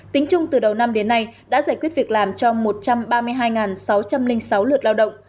tính chung từ đầu năm đến nay đã giải quyết việc làm cho một trăm ba mươi hai sáu trăm linh sáu lượt lao động